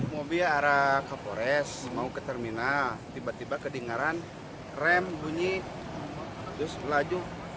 mobil arah kapolres mau ke terminal tiba tiba kedengaran rem bunyi terus melaju